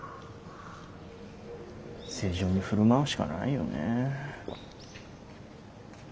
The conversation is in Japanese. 正常に振る舞うしかないよねえ。